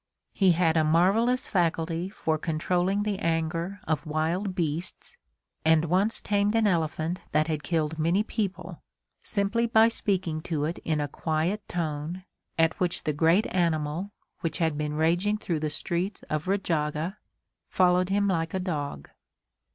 He had a marvelous faculty for controlling the anger of wild beasts and once tamed an elephant that had killed many people, simply by speaking to it in a quiet tone, at which the great animal, which had been raging through the streets of Rajagha, followed him like a dog.